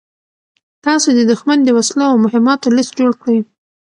تاسو د دښمن د وسلو او مهماتو لېست جوړ کړئ.